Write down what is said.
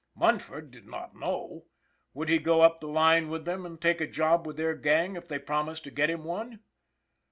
Munford did not know. Would he go up the line with them and take a job with their gang if they promised to get him one?